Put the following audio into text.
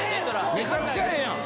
めちゃくちゃええやん！